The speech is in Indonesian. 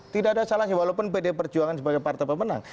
tidak ada salahnya walaupun pdi perjuangan sebagai partai pemenang